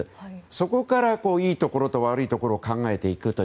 そこから、いいところや悪いところを考えていく。